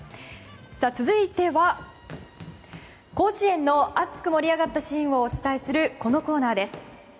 続いては、甲子園の熱く盛り上がったシーンをお伝えするこのコーナーです。